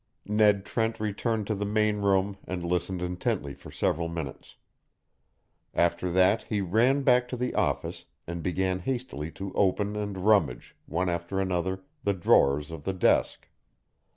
Ned Trent returned to the main room and listened intently for several minutes. After that he ran back to the office and began hastily to open and rummage, one after another, the drawers of the desk.